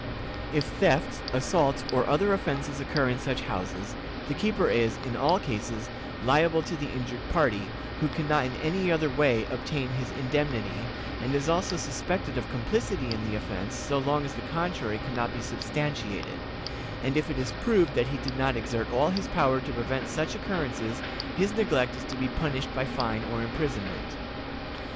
If thefts, assaults, or other offenses occur in such houses, the keeper is, in all cases, liable to the injured party, who can not in any other way obtain his indemnity, and is also suspected of complicity in the offense so long as the contrary can not be substantiated; and if it is proved that he did not exert all his power to prevent such occurrences, his neglect is to be punished by fine or imprisonment.